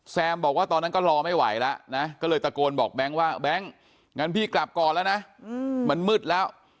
บอกว่าตอนนั้นก็รอไม่ไหวแล้วนะก็เลยตะโกนบอกแบงค์ว่าแบงค์งั้นพี่กลับก่อนแล้วนะมันมืดแล้ว